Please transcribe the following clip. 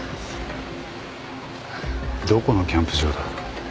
どこのキャンプ場だ？